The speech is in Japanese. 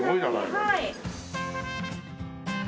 はい。